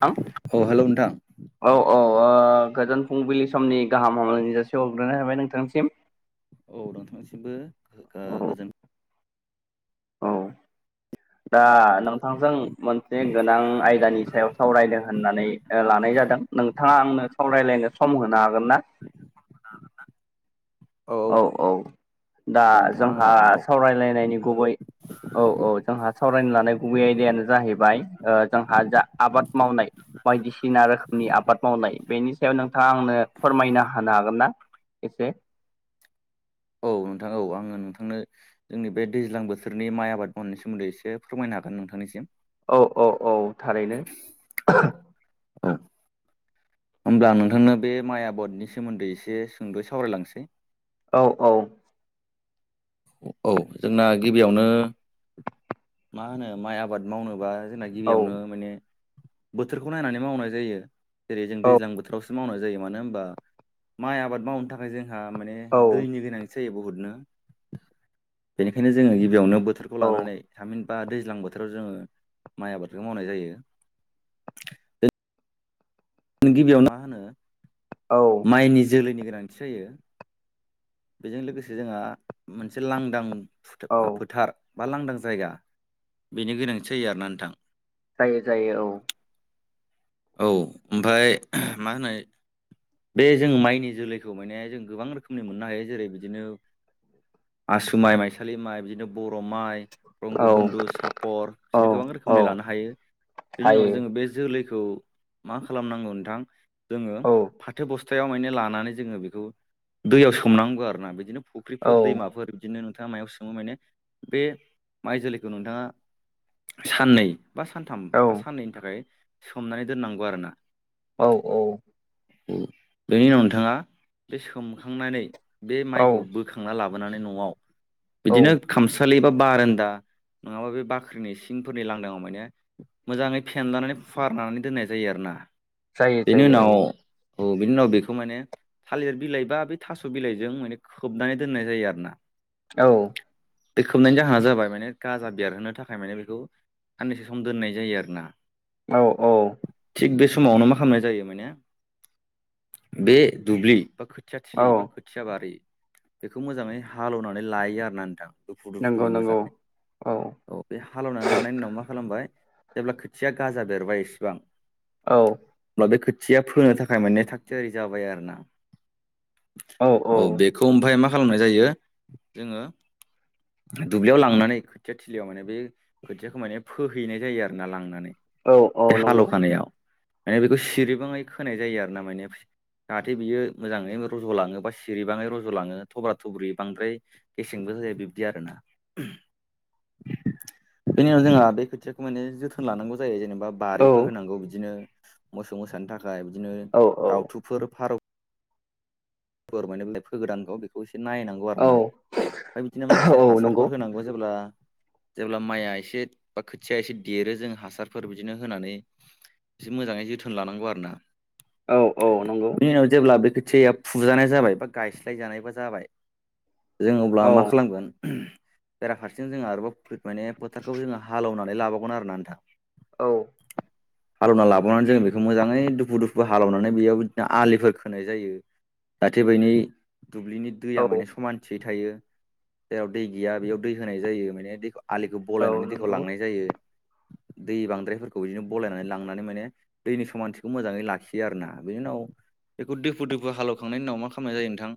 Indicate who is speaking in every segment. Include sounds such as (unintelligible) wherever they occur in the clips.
Speaker 1: (unintelligible)
Speaker 2: औ हेलौ नोंथां
Speaker 1: औ औ ओ गोजोन फुंबिलि समनि गाहाम हामलायनाय जासि हरग्रोनाय हाबाय नोंथांसिम।
Speaker 2: औ नोंथांनिसिमबो ओ गोजोन
Speaker 1: औ। दा नोंथांजों मोनसे गोनां आयदानि सायाव सावरायदों होननानै लानाय जादों। नोंथाङा आंनो सावरायलायनो सम होनो हागोन ना? औ औ। दा
Speaker 2: नोंथां आं
Speaker 1: जोंहा
Speaker 2: हागोन औ
Speaker 1: सावरायलायनायनि गुबै औ औ जोंहा सावरायनो लानाय गुबै आयदायानो जाहैबाय ओ जोंहा जा आबाद मावनाय बायदिसिना रोखोमनि आबाद मावनाय बेनि सायाव नोंथाङा आंनो फोरमायना होनो हागोन ना एसे?
Speaker 2: औ
Speaker 1: (unintelligible)
Speaker 2: नोंथां औ आङो नोंथांनो जोंनि बे दैज्लां बोथोरनि माइ आबाद मावनायनि सोमोन्दै एसे फोरमायनो हागोन नोंथांनिसिम।
Speaker 1: औ औ औ थारैनो।
Speaker 2: (inaudible) होमब्ला नोंथांनो बे माइ आबादनि सोमोन्दै एसे सुंद'यै सावरायलांसै।
Speaker 1: औ औ।
Speaker 2: औ जोंना गिबियावनो मा होनो माइ आबाद मावनोबा जोंना
Speaker 1: औ
Speaker 2: गिबियावनो माने बोथोरखौ नायनानै मावनाय जायो। जेरै जों दैज्लां बोथोराव मावनाय जायो। मानो होनबा माइ आबाद मावनो थाखाय जोंहा माने
Speaker 1: औ
Speaker 2: दैनि गोनांथि जायो बुहुदनो। बेनिखायनो जोङो गिबियावनो बोथोरखौ
Speaker 1: औ
Speaker 2: लानानै थामिहिन बा दैज्लां बोथोराव जोङो माइ आबादखौ मावनाय जायो। गिबियाव मा होनो
Speaker 1: औ
Speaker 2: माइनि जोलैनि गोनांथि जायो। बेजों लोगोसे जोंहा मोनसे लांदां फुथा
Speaker 1: औ
Speaker 2: ओ फोथार बा लांदां जायगा बेनि गोनांथि जायो आरोना नोंथां।
Speaker 1: जायो जायो औ।
Speaker 2: औ ओमफाय मा होनो बे जों माइनि जोलैखौ माने जों गोबां रोखोमनि मोननो हायो। जेरै बिदिनो आसु माइ, माइसालि माइ बिदिनो ब र' माइ,
Speaker 1: औ
Speaker 2: रंगबन्धु, सापर
Speaker 1: औ
Speaker 2: बिसोरनि गोबां
Speaker 1: औ
Speaker 2: रोखोमनि लानो‌ हायो। बेनि उनाव
Speaker 1: हायो
Speaker 2: जोङो बे जोलैखौ मा खालामनांगौ नोंथां जोङो
Speaker 1: औ
Speaker 2: फाथो ब सथायाव माने लानानै जोङो बेखौ दैयाव सोमनांगो आरो ना बिदिनो
Speaker 1: औ
Speaker 2: फुख्रिफोर दैमाफोर बिदिनो नोंथाङा मायाव सोमो माने बे माइ जोलैखौ नोंथाङा साननै बा सानथाम
Speaker 1: औ
Speaker 2: बा साननैनि थाखाय सोमनानै दोननांगौ आरोना।
Speaker 1: औ औ।
Speaker 2: बेनि उनाव नोंथाङा बे सोमखांनानै बे
Speaker 1: औ
Speaker 2: माइखौ बोखांना ला बोनानै न'आव
Speaker 1: औ
Speaker 2: बिदिनो खामसालि बा बारेन्दा नङाबा बे बाख्रिनि सिंफोरनि लांदांआव माने मोजाङै फेनलानानै फुवारनानै दोननाय जायो आरोना।
Speaker 1: जायो
Speaker 2: बेनि
Speaker 1: जायो
Speaker 2: उनाव
Speaker 1: औ।
Speaker 2: औ बिनि उनाव बेखौ माने थालिर बिलाइ बा बे थास' बिलाइजों माने खोबनानै दोननाय जायो आरोना।
Speaker 1: औ।
Speaker 2: बे खोबनायनि जाहोना जाबाय माने गाजा बेरहोनो थाखाय माने बेखौ साननैसो सम दोननाय जायो आरोना।
Speaker 1: औ औ।
Speaker 2: थिग बे समावनो मा खालामनाय जायो माने बे दुब्लि बा खोथिया
Speaker 1: औ
Speaker 2: थिलि बा खोथिया बारि बेखौ मोजाङै हालौवनानै लायो आरोना नोंथां।
Speaker 1: नंगौ
Speaker 2: दुफु-दुफुनो
Speaker 1: नंगौ
Speaker 2: मोजाङै औ बे हालेवनानै लानायनि उनाव मा खालामबाय जेब्ला खोथिया गाजा बेरबाय इसेबां
Speaker 1: औ
Speaker 2: बे खोथिया फोनो थाखाय माने थागथियारि जाबाय आरोना। औ बेखौ ओमफाय मा खालामनाय जायो जोङो दुब्लियाव लांनानै खोथिया थिलियाव माने बे खोथियाखौ माने फोहैनाय जायो आरोना लांनानै।
Speaker 1: औ
Speaker 2: बे
Speaker 1: औ नंगौ।
Speaker 2: हालौखानायाव माने बेखौ सिरिबाङै खोनाय जायो आरोना माने जाहाथे बियो मोजाङै रज'लाङो बा सिरिबाङै रज'लाङो थब्रा थब्रि बांद्राय गेसेंबो जाया बिब्दि आरोना।
Speaker 1: (inaudible)
Speaker 2: बेनि उनाव जोंहा बे खोथियाखौ माने जोथोन लानांगौ जायो जेनेबा
Speaker 1: औ
Speaker 2: बारिफोर होनांगौ बिदिनो मोसौ मोसानि थाखाय। बिदिनो
Speaker 1: औ औ
Speaker 2: दाउथुफोर, फारौ फोर मानि फोगोदानखौ नायनांगौ
Speaker 1: औ
Speaker 2: आरोना। ओमफ्राय बिदिनो माखासे
Speaker 1: औ नंगौ
Speaker 2: हासारफोर होनांगौ जेब्ला जेब्ला माइआ एसे बा खोथिया एसे देरो जों हासारफोर बिदिनो होनानै एसे मोजाङै जोथोन लानांगौ आरोना।
Speaker 1: औ औ नंगौ
Speaker 2: बिनि उनाव जेब्ला बे खौथियाआ फुजानाय जाबाय बा गायस्लायजानायबा जाबाय जों अब्ला
Speaker 1: औ
Speaker 2: मा खालामगोन बेरा फारसिजों जोंहा आरोबाव माने फोथारखौ जोङो हालेवनानै लाबावगोन आरोना नोंथां।
Speaker 1: औ
Speaker 2: हालेवना लाबोनानै जों बेखौ मोजाङै दुफु दुफु हालौवनानै बेयाव बिदिनो आलिफोर खोनाय जायो। जाहाथे बैनि दुब्लिनि दैया
Speaker 1: औ
Speaker 2: माने समानथियै थायो जेराव दै गैया बेयाव दै होनाय जायो। माने दै आलिखौ
Speaker 1: औ
Speaker 2: बलायनानै दैखौ
Speaker 1: नंगौ
Speaker 2: लांनाय जायो।
Speaker 1: (inaudible)
Speaker 2: दै बांद्रायफोरखौ बिदिनो बलायनानै लांनानै माने दैनि समानथिखौ मोजाङै लाखियो आरो ना। बिनि उनाव बेखौ दुफु दुफु हालेवखांनायनि उनाव मा खालामनाय जायो नोंथां?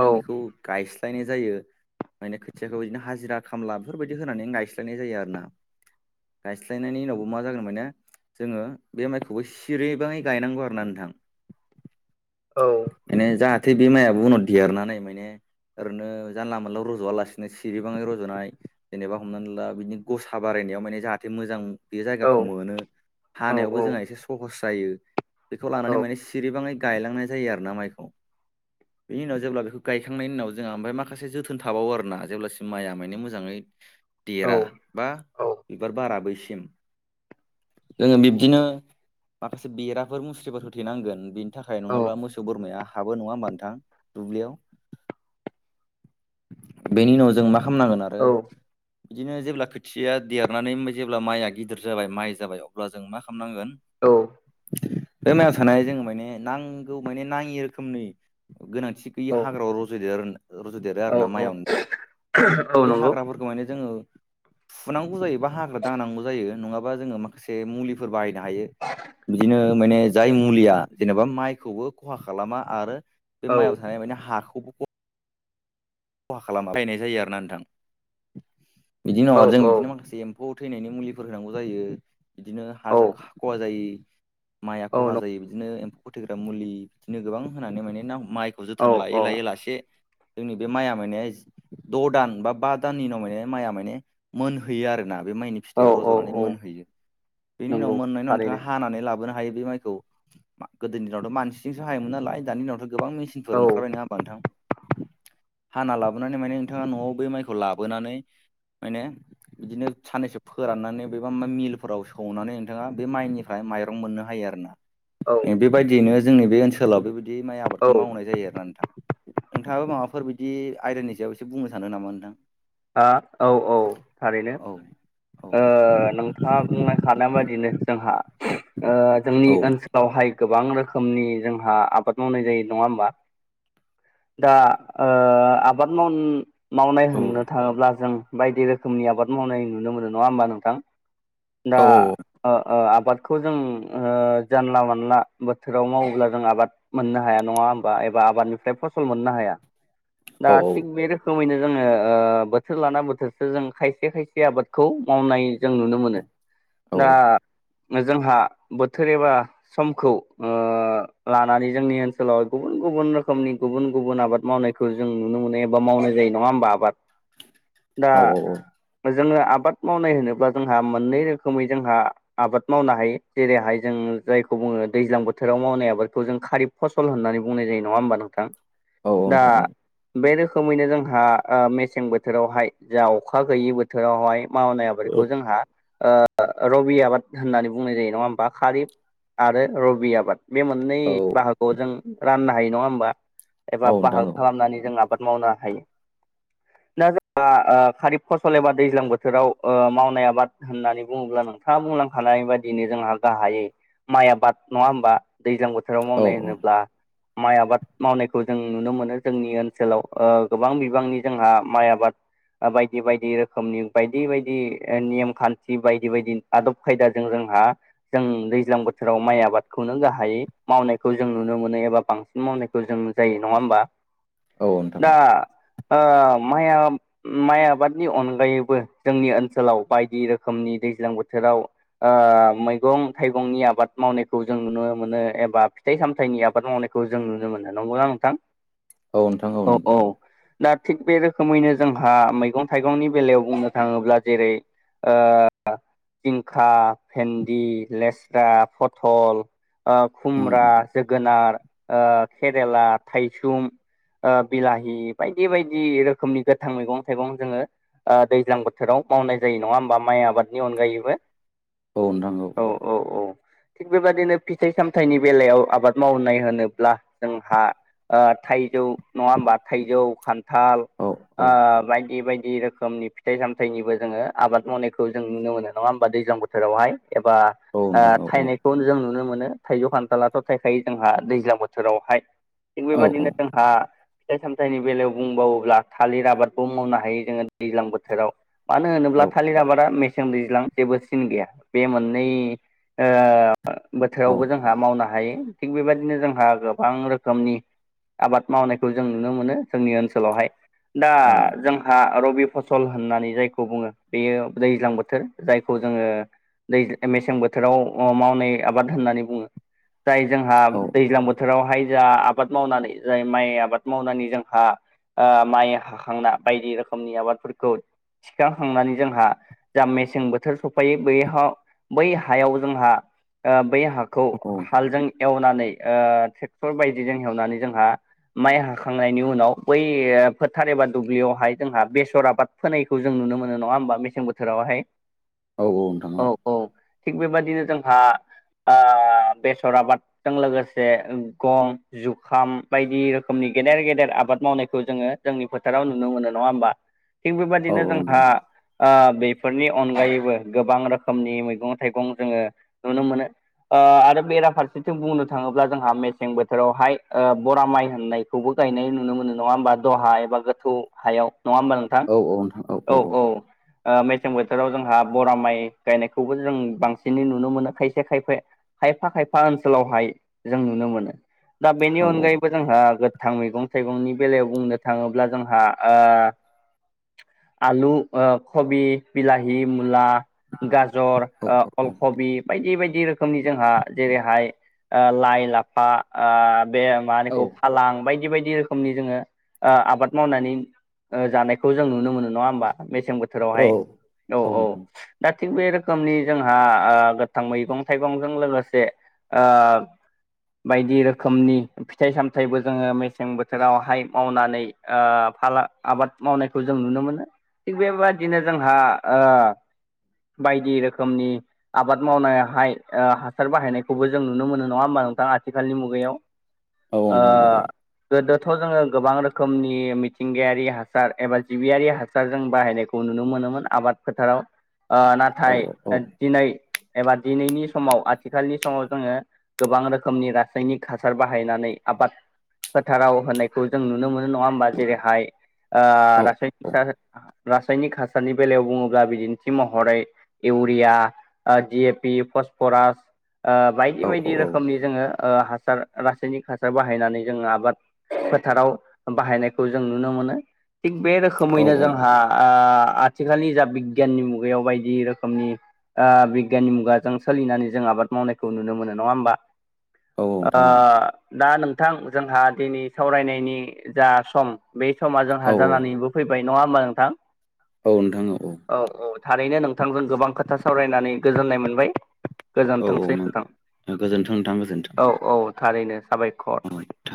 Speaker 1: औ
Speaker 2: बेखौ गाय स्लायनाय जायो। माने खोथियाखौ बिदिनो हाजिरा खामला बेफोरबायदि होनानै गायस्लायनाय जायो आरो ना। गायस्लायनायनि उनावबो मा जागोन मा ने जोङो बे माइखौबो सिरिबाङै गायनांगौ आरोना नोंथां।
Speaker 1: (inaudible) औ
Speaker 2: माने जाहाथे बे माइआ उनाव देरनानै माने ओरैनो जानला मोनला रज'वालासिनो सिरिबाङै रज'नाय जेनेबा हमनानै ला बिदिनो गसा बाराय नाय माने जाहाथे मोजां बे
Speaker 1: औ
Speaker 2: जायगाखौ मोनो हानायावबो जोंहा
Speaker 1: औ
Speaker 2: एसे सहस जायो बेखौ लानानै माने सिरिबाङै गायलांनाय जायो आरोना माइखौ। बेनि उनाव जेब्ला बेखौ गायखांनायनि उनाव जोंहा ओमफ्राय माखासे जोथोन थाबावो आरोना। जेब्लासिम माइआ माने मोजाङै
Speaker 1: औ
Speaker 2: देरा बा
Speaker 1: औ औ
Speaker 2: बिबार बारा बैसिम। जोङो बिब्दिनो माखासे बेराफोर मुस्रिफोर होथेनांगोन। नि थाखाय
Speaker 1: औ
Speaker 2: नङाब्ला मोसौ बोरमाया हाबो नङा होमबा नोंथां दुब्लियाव। बेनि उनाव जों मा खालामनांगोन आरो बिदिनो जेब्ला खोथिया देरनानै जेब्ला माइया गिदिर जाबाय माइ जाबाय अब्ला जों मा खालाम खालामनांगोन
Speaker 1: औ
Speaker 2: बे मायाव थानाय जोङो माने नांगौ माने नाङि रोखोमनि गोनांथि गैयि
Speaker 1: औ
Speaker 2: हाग्रायाव रज'देर रज'देरो
Speaker 1: औ
Speaker 2: आरो ना माइआव नोंथां।
Speaker 1: औ
Speaker 2: बे
Speaker 1: नंगौ।
Speaker 2: हाग्राफोरखौ माने जोङो फुनांगौ जायो बा हाग्रा दानांगौ जायो नङाबा जोङो माखासे मुलिफोर बाहायनो हायो। बिदिनो माने जाय मुलिया जेनेबा माइखौबो खहा खालामा आरो बे
Speaker 1: औ
Speaker 2: माइआव थानाय माने हाखौबो ख खहा खालामा बायनाय जायो आरो ना नोंथां बिदि
Speaker 1: औ
Speaker 2: उनाव आरो जों
Speaker 1: औ
Speaker 2: बिदिनो माखासे एम्फौ थैनायनि मुलिफोर होनांगौ जायो बिदिनो
Speaker 1: औ
Speaker 2: हाजों खहा जायि। माइया खहा
Speaker 1: नं
Speaker 2: जायो बिदिनो एम्फौ फथैग्रा मुलि बिदिनो गोबां होनानै माने ना ह माइखौ
Speaker 1: औ
Speaker 2: जोथोन लायै लायै लासे जोंनि बे माइया माने द' दान बा बा दाननि उनाव माने माइआ माने मोनहैयो आरोना। बे माइनि
Speaker 1: औ
Speaker 2: फिथाइयाव
Speaker 1: औ
Speaker 2: रज'नानै
Speaker 1: औ
Speaker 2: मोनहैयो बेनि उनाव
Speaker 1: नंगौ
Speaker 2: मोननायनि उनाव नोंथाङा
Speaker 1: थारैनो
Speaker 2: हानानै लाबोनो हायो बे माइखौ। गोदोनि दिनावथ' मानसिजोंसो हायोमोन नालाय दानि दिनावथ' गोबां मेसिनफोर
Speaker 1: औ
Speaker 2: ओंखारबाय नङा हाबा नोंथां? हाना लाबोनानै माने नोंथाङा न'आव बे माइखौ लाबोनानै माने बिदिनो साननैसो फोराननानै बेबा मिलफोराव सौनानै नोंथाङा बे माइनिफ्राय माइरं मोननो हायो आरो ना।
Speaker 1: औ
Speaker 2: बेबायदियैनो जोंनि बे ओनसोलाव बेबायदि माइ आबादखौ
Speaker 1: औ
Speaker 2: मावनाय जायो आरोना नोंथां। नोंथाङाबो माबाफोर बिदि आयदानि सायाव एसे बुंनो सानो नामा नोंथां?
Speaker 1: हा औ औ थारैनो।
Speaker 2: औ औ
Speaker 1: ओ नोंथाङा बुंलांखानाय बाददिनो जोंहा ओ जोंनि
Speaker 2: औ
Speaker 1: ओनसोलावहाय गोबां रोखोमनि जोंहा आबाद मावनाय जायो नङा होमबा? दा ओ आबाद माव मावनाय होननो थाङोब्ला जों बायदि रोखोमनि आबाद मावनाय नुनो मोनो नङा होमबा नोंथां? दा
Speaker 2: औ
Speaker 1: ओ ओ आबादखौ जों ओ जानला मोनला बोथोराव मावोब्ला जों आबाद मोननो हाया नङा होमबा? एबा आबादनिफ्राय फसल मोननो हाया दा
Speaker 2: औ
Speaker 1: थिग बे रोखोमैनो जोङो ओ बोथोर लाना बोथोरसो जों खायसे खायसे आबादखौ मावनाय जों नुनो मोनो।
Speaker 2: औ
Speaker 1: दा जोंहा बोथोर एबा समखौ ओ लानानै जोंनि ओनसोलाव गुबुन गुबुन रोखोमनि गुबुन गुबुन आबाद मावनायखौ जों नुनो मोनो एबा मावनाय जायो नङा होमबा आबाद दा
Speaker 2: औ औ औ
Speaker 1: जोङो आबाद मावनाय होनोब्ला जोंहा मोननै रोखोमै जोंहा आबाद मावनो हायो जेरैहाय जों जायखौ बुङो दैज्लां बोथोराव मावनाय आबादखौ जों खारिब फसल होननानै बुंनाय जायो नङा होमबा नोंथां?
Speaker 2: औ
Speaker 1: दा
Speaker 2: नोंथां औ
Speaker 1: बे रोखोमैनो जोंहा मेसें ओ बोथो थोरावहाय जा अखा गैयि बोथोरावहाय मावनाय आबादखौ जोंहा ओ रबि आबाद होननानै बुंनाय जायो नङा होमबा खारि आरो रबि आबाद। बे मोननै बाहागखौ जों राननो हायो नङा होमबा एबा
Speaker 2: औ नोंथां
Speaker 1: बाहागो
Speaker 2: औ
Speaker 1: खालामनानै जों आबाद मावनो हायो दा जोंनि खारिब फसल एबा दैज्लां बोथोराव ओ मावनाय आबाद होननानै बुङोब्ला नोंथाङा बुंलांखा नाय बायदिनो जोंहा गाहायै माइ आबाद नङा होमबा? दैज्लां बोथोराव
Speaker 2: औ
Speaker 1: मावनाय होनोब्ला माइ आबाद मावनायखौ जों नुनो मोनो जोंनि ओनसोलाव ओ गोबां बिबांनि जोंहा माइ आबाद बायदि बायदि रोखोमनि बायदि बायदि नेम खान्थि बायदि बायदि आदब खायदाजों जोंहा जों दैज्लां बोथोराव माइ आबादखौनो गाहायै मावनायखौ जों नुनो मोनो एबा बां बांसिन मावनायखौ जों जायो नङा होमबा?
Speaker 2: औ नोंथां
Speaker 1: दा
Speaker 2: औ।
Speaker 1: ओ माइया माइ आबादनि अनगायैबो जोंनि ओनसोलाव बायदि रोखोमनि दैज्लां बोथोराव ओ ओ मैगं-थाइगंनि आबा मावनायखौ जों नुनो मोनो एबा फिथाइ-सामथाइनि आबाद मावनायखौ जों नुनो मोनो नंगौना नोंथां?
Speaker 2: औ नोंथां औ नंगौ।
Speaker 1: दा थिग बे रोखोमैनो जोंहा मैगं थाइगंनि बेलायाव बुंनो थाङोब्ला जेरै ओ जिंखा, भेन्दि, लेस्रा, फथल खुमब्रा, जोगोनार, केरेला, थाइसुम ओ बिलाहि बायदि -बायदि रोखोमनि गोथां मैगं -थाइगं जोङो ओ दैज्लां बोथोराव मावनाय जायो नङा होमबा? माइ आबादनि अनगायैबो
Speaker 2: औ नंगौ औ नोंथां
Speaker 1: औ, औ, औ। थिग बेबादिनो फिथाइ- सामथाइनि बेलायाव आबाद मावनाय होनोब्ला जोंहा थाइजौ नङा होमबा? थाइजौ, खान्थाल
Speaker 2: औ
Speaker 1: ओ
Speaker 2: औ
Speaker 1: बायदि- बायदि रोखोमनि फिथाइ- सामथाइनिबो जोङो बोथोरावहाय एबा
Speaker 2: औ
Speaker 1: ओ
Speaker 2: नोंथां औ
Speaker 1: थायनायखौ जों नुनो मोनो। थाइजौ, खान्थालाथ' थायखायो जोंहा दैज्लां बोथोरावहाय थिग
Speaker 2: औ
Speaker 1: बेबायदिनो जोंहा फिथाइ- सामथाइनि बेलायाव बुंबावोब्ला थालिर आबादबो मावनो हायो जोङो दैज्लां बोथोराव। मानो होनोब्ला थालिर आबादा मेसें दैज्लां जेबो सिन गैया बे मोननै ओ बोथोरावबो जोंहा मावनो हायो। थिग बेबायदिनो जोंहा गोबां रोखोमनि आबाद मावनायखौ जों नुनो मोनो। जोंनि ओनसोलावहाय दा
Speaker 2: औ
Speaker 1: जोंहा आ रबि फसल होननानै जायखौ बुङो। बेयो दैज्लां बोथोर जायखौ जोङो (unintelligible) दै मेसें बोथोराव मावनाय आबाद होननानै बुङो। जाय जोंहा
Speaker 2: औ
Speaker 1: दैज्लां बोथोरावहाय जा आबाद मावनानै, जाय माइ आबाद मावनानै जोंहा ओ माइ हाखांना बायदि रोखोमनि आबादफोरखौ थिखांखांनानै जोंहा जा मेसें बोथोर सफैयो बैहा बै हायाव जोंहा बै हाखौ
Speaker 2: औ
Speaker 1: हालजों एवनानै ओ ट्रेक्टर बायदिजों एवनानै जोंहा माइ हाखांनायनि उनाव बै फोथार एबा दुब्लियावहाय जोंहा बेसर आबाद फोनायखौ जों नुनो मोनो नङा होमबा? मेसें बोथोरावहाय।
Speaker 2: औ नोंथां
Speaker 1: औ- औ, थिग बेबादिनो जोंहा ओ बेसर आबादजों लोगोसे गंम, जुखाम बायदि रोखोमनि गेदेर- गेदेर आबाद मावनायखौ जोङो जोंनि फोथाराव नुनो मोनो नङा होमबा? थिग
Speaker 2: औ
Speaker 1: बेबायदिनो
Speaker 2: औ
Speaker 1: जोंहा
Speaker 2: नोंथां
Speaker 1: आ बेफोरनि अनगायैबो गोबां रोखोमनि मैगं- थाइगं जोङो नुनो मोनो। ओ आरो बेराफारसेथिं बुंनो थाङोब्ला जोंहा मेसें बोथोरावहाय ओ बरा माइ होननायखौबो गायनाय नुनो मोनो नङा होमबा? दलहा एबा गोथौ हायाव नङा होनबा नोंथां? औ -औ। मेसें बोथोराव जोंहा बरा माइ गायनायखौबो जों बांसिनै नुनो मोनो खायसे खायफा खायफा -खायफा ओनसोलावहाय जों नुनो मोनो। दा बेनि
Speaker 2: औ
Speaker 1: अनगायैबो जोंहा गोथां मैगं -थाइगंनि बेलायाव बुंनो थाङोब्ला जोंहा ओ आलु ओ कबि, बिलााहि, मुला गाज'र ओ अलखबि बायदि -बायदि रोखोमनि जोंहा जेरैहाय ओ लाइ- लाफा ओ बे मा होनो
Speaker 2: औ
Speaker 1: बेखौ फालां बायदि- बायदि रोखोमनि जोङो ओ आबाद मावनानै ओ जानायखौ जों नुनो मोनो नङा होनबा मेसें
Speaker 2: औ
Speaker 1: बोथोरावहाय। औ- औ,
Speaker 2: नोंथां
Speaker 1: दा थिग बे रोखोमनि जोंहा ओ गोथां मैगं- थाइगंजों लोगोसे ओ बायदि रोखोमनि फिथाइ -सामथायाइबो जोङो मेसें बोथोरावहाय मावनानै ओ फाला- आबाद मावनायखौ जों नुनो मोनो। थिग बेबादिनो जोंहा ओ बायदि रोखोमनि आबाद मावनाय हाय, ओ हासार बाहायनायखौबो जों नुनो मोनो नङा होमबा? (unintelligible) नोंथां आथिखालनि मुगायाव।
Speaker 2: औ
Speaker 1: ओ
Speaker 2: नोंथां औ
Speaker 1: गोदोथ' जोङो गोबां रोखोम रोखोमनि मिथिंगायारि हासार एबा जिबियारि हासारजों बाहायनायखौ नुनो मोनोमोन आबाद फोथाराव‌। ओ नाथाय
Speaker 2: औ औ नोंथां औ नोंथां
Speaker 1: दिनै एबा दिनैनि समाव आथिखालनि समाव जोङो गोबां रोखोमनि रासायनिक हासार बाहायनानै आबाद फोथाराव होनायखौ जों नुनो मोनो नङा होमबा? जेरैहाय ओ (unintelligible) रासायनिक हासारनि बेलायाव बुङोब्ला बिदिन्थि महरै (unintelligible) बरिया ओ दि एफ पि फसफरास ओ बायदि बायदि रोखोमनि जोङो ओ हासार रासायनिक हासार बाहायनानै जोङो आबाद फोथाराव बाहायनायखौ जों नुनो मोनो थिग बे रोखोमैनो जोंहा आ आथिखालनि जा बिगियाननि मुगायाव बायदि रोखोमनि आ बिगियाननि मुगाजों सोलिनानै जों आबाद मावनायखौ नुनो मोनो नङा होमबा? ओ दा नोंथां जोंहा दिनै सावरायनायनि जा सम बे समा जों हाजानानैबो फैबाय नंङा होमबा नोंथां?
Speaker 2: औ नोंथां औ औ।
Speaker 1: थारैनो नोंथांजों गोबां खोथा सावरायनानै गोजोननाय मोनबाय।
Speaker 2: औ
Speaker 1: गोजोनथोंसै
Speaker 2: औ
Speaker 1: नोंथां
Speaker 2: गोजोन्थों नोंथां गोजोन्थों
Speaker 1: औ औ थारैनो साबायखर।
Speaker 2: औ